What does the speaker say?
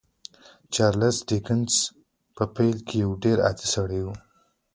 چارلیس ډیکنز په پیل کې یو ډېر عادي سړی و